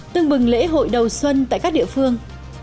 tưng bừng lễ hội đầu xuân tại các địa phương